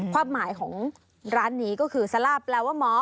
ความหมายของร้านนี้ก็คือซาล่าแปลว่าหมอ